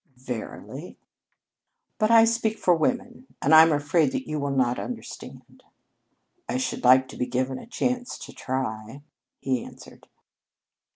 "Verily." "But I speak for women and I am afraid that you'll not understand." "I should like to be given a chance to try," he answered.